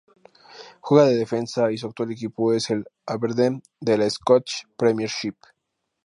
Juega de defensa y su actual equipo es el Aberdeen de la Scottish Premiership.